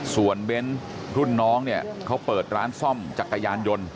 ส่วนเบ้นรุ่นน้องเนี่ยเขาเปิดร้านซ่อมจักรยานยนต์